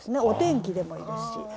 お天気でもいいですし。